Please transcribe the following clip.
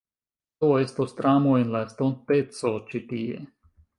Do, estos tramoj en la estonteco ĉi tie